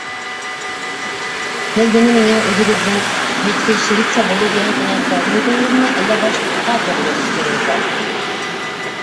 — Һеҙ быны миңә үҙегеҙҙең медфельдшерица булыу йәһәтенән тәҡдим итәһегеҙме әллә башҡа төрлө фекерегеҙ бармы?